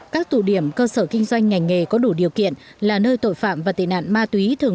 các tụ điểm cơ sở kinh doanh ngành nghề có đủ điều kiện là nơi tội phạm và tệ nạn ma túy thường